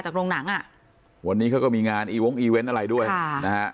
โรงหนังอ่ะวันนี้เขาก็มีงานอีวงอีเวนต์อะไรด้วยค่ะนะฮะ